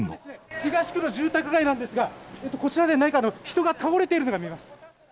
東区の住宅街なんですが、こちらで何か人が倒れているのが見えます。